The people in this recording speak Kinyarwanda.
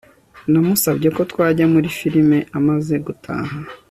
namusabye ko twajya muri firime amaze gutaha